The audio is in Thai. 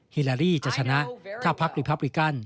ฮิลารี่จะชนะถ้าพลักษณ์ริพับริกัน